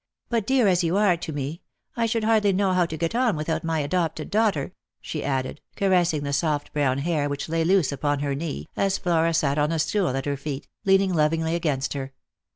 " But dear as you are to me, I should hardly know how to get on without my adopted daughter," she added, caressing the soft brown hair which lay loose upon her knee as Flora sat on a stool at her feet, leaning lovingly against her.